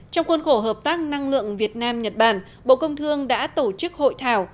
trong khuôn khổ hợp tác năng lượng việt nam nhật bản bộ công thương đã tổ chức hội thảo